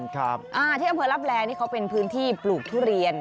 ครับอ่าที่อำเภอลับแลนี่เขาเป็นพื้นที่ปลูกทุเรียน